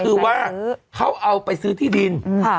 คือว่าเขาเอาไปซื้อที่ดิน